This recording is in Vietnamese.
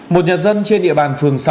một nhà dân trên địa bàn phường sáu